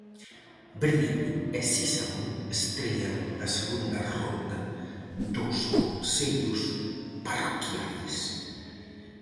Verdillo e Sísamo estrean a segunda rolda dos consellos parroquiais.